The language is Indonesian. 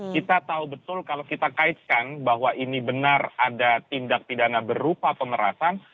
kita tahu betul kalau kita kaitkan bahwa ini benar ada tindak pidana berupa pemerasan